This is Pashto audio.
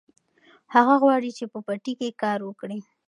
هغه غواړي چې په پټي کې کار وکړي.